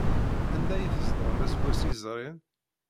Anda ay tzedɣem aseggas yezrin?